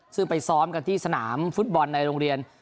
ซึ่งไปซ้อมกันที่สนามฟุตบอลในโรงเรียน